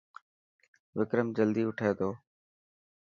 وڪرم جلدي اٺي ٿو.